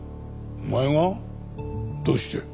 お前が？どうして？